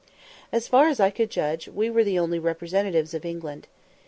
As far as I could judge, we were the only representatives of England.